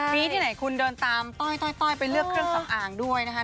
มีที่ไหนคุณเดินตามต้อยไปเลือกเครื่องสำอางด้วยนะคะ